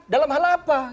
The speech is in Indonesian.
dalam hal apa